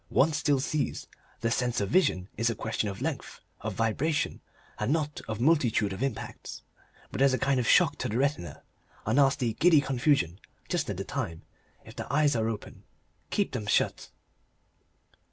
One still sees. The sense of vision is a question of length of vibration, and not of multitude of impacts; but there's a kind of shock to the retina, a nasty giddy confusion just at the time, if the eyes are open. Keep 'em shut."